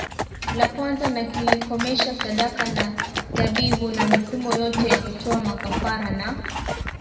la kwanza na kilikomesha sadaka na dhabihu na mifumo yote ya kutoa Makafara na